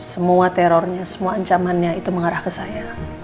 semua terornya semua ancamannya itu mengarah ke saya